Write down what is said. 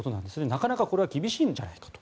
なかなかこれは厳しいんじゃないかと。